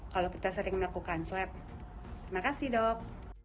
kalau kita sering melakukan swep